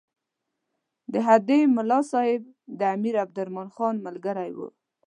د هډې ملاصاحب د امیر عبدالرحمن خان ملګری وو.